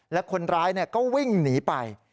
และคนร้ายก็วิ่งหนีไป